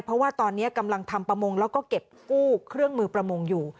เพราะว่าตอนนี้กำลังทำประมงแล้วก็เก็บกู้เครื่องมือประมงอยู่